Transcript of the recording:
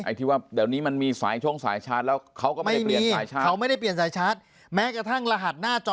ไอ้ที่ว่าเดี๋ยวนี้มันมีช่องสายชาร์จแล้วเขาก็ไม่ได้เปลี่ยนสายชาร์จ